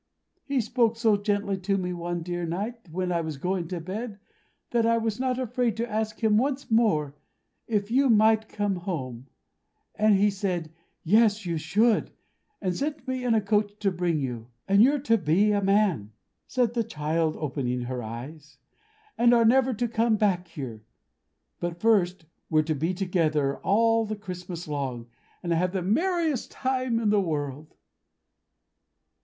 He spoke so gently to me one dear night when I was going to bed, that I was not afraid to ask him once more if you might come home; and he said Yes, you should; and sent me in a coach to bring you. And you're to be a man!" said the child, opening her eyes; "and are never to come back here: but first, we're to be together all the Christmas long, and have the merriest time in all the world."